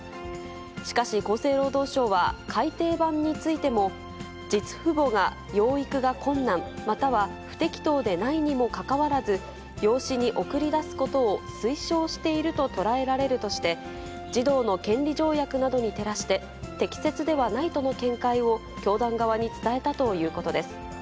しかし厚生労働省は、改訂版についても、実父母が養育が困難、または不適当でないにもかかわらず、養子に送り出すことを推奨していると捉えられるとして、児童の権利条約などに照らして、適切ではないとの見解を教団側に伝えたということです。